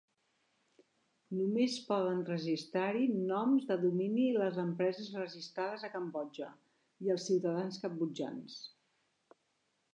Només poden registrar-hi noms de domini les empreses registrades a Cambodja i els ciutadans cambodjans.